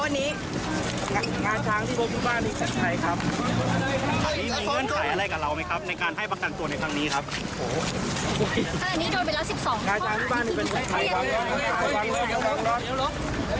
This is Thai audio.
สวัสดีครับ